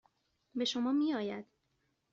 به شما میآید.